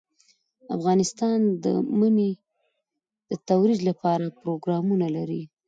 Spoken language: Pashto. افغانستان د منی د ترویج لپاره پروګرامونه لري.